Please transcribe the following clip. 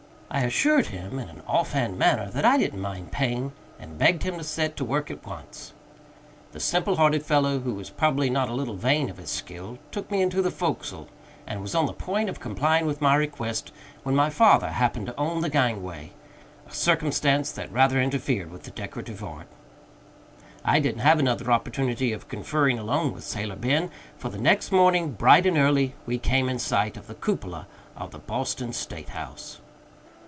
I assured him, in an off hand manner, that I didn't mind pain, and begged him to set to work at once. The simple hearted fellow, who was probably not a little vain of his skill, took me into the forecastle, and was on the point of complying with my request, when my father happened to own the gangway a circumstance that rather interfered with the decorative art. I didn't have another opportunity of conferring alone with Sailor Ben, for the next morning, bright and early, we came in sight of the cupola of the Boston State House.